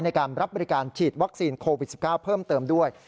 ในการรับบริการฉีดวัคซีนโควิด๑๙เพิ่มเติมด้วย